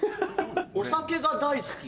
お酒が大好き。